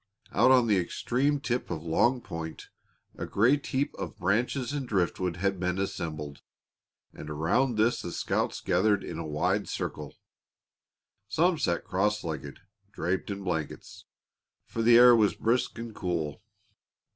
Out on the extreme tip of Long Point a great heap of branches and driftwood had been assembled, and around this the scouts gathered in a wide circle. Some sat cross legged, draped in blankets, for the air was brisk and cool.